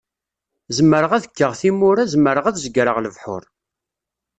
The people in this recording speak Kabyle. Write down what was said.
Zemreɣ ad kkeɣ timura zemreɣ ad zegreɣ lebḥur.